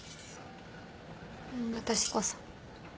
私こそ。